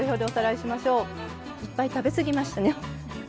いっぱい食べすぎましたね。